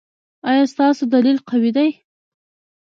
ایا ستاسو دلیل قوي دی؟